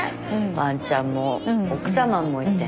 ワンちゃんも奥さまもいて。